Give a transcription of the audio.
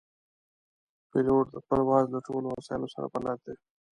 پیلوټ د پرواز له ټولو وسایلو سره بلد وي.